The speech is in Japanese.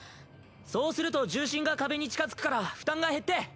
そうすると重心が壁に近づくから負担が減って。